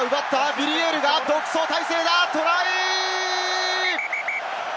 ヴィリエールが独走態勢だ！トライ！